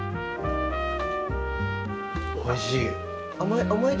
おいしい。